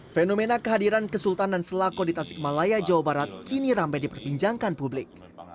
fenomena kehadiran kesultanan selako di tasikmalaya jawa barat kini rame diperbincangkan publik